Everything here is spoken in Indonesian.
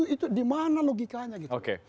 itu dimana logikanya gitu